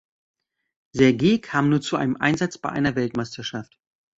Sergei kam nur zu einem Einsatz bei einer Weltmeisterschaft.